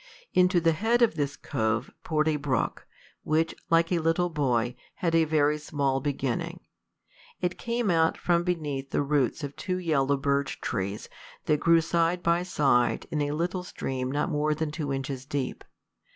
Into the head of this cove poured a brook, which, like a little boy, had a very small beginning. It came out from beneath the roots of two yellow birch trees that grew side by side in a little stream not more than two inches deep.